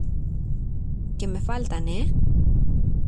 que me faltan, ¿ eh?